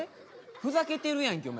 ふざけてるやんけお前。